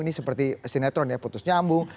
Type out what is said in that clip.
ini seperti sinetron ya putus nyambung